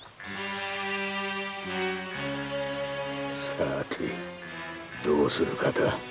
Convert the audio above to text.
さあてどうするかだ。